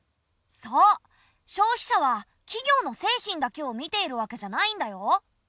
そう消費者は企業の製品だけを見ているわけじゃないんだよ。